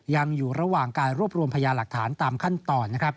ยังอยู่ระหว่างการรวบรวมพยาหลักฐานตามขั้นตอน